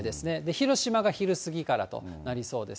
広島が昼過ぎからとなりそうです。